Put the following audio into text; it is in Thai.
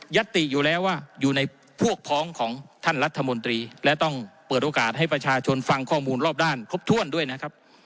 ติอยู่แล้วว่าอยู่ในพวกพ้องของท่านรัฐมนตรีและต้องเปิดโอกาสให้ประชาชนฟังข้อมูลรอบด้านครบถ้วนด้วยนะครับ